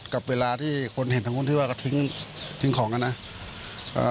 กับเวลาที่คนเห็นทางนู้นที่ว่าก็ทิ้งทิ้งของอ่ะนะเอ่อ